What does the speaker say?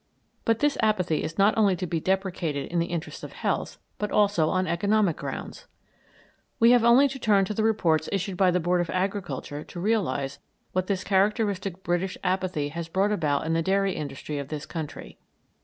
But this apathy is not only to be deprecated in the interests of health, but also on economic grounds. We have only to turn to the reports issued by the Board of Agriculture to realise what this characteristic British apathy has brought about in the dairy industry of this country.